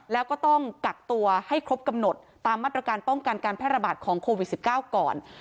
แล้วก็ต้องกักตัวให้ครบกำหนดตามมาตรการป้องกันการแพร่ระบาดของโควิด๑๙ก่อน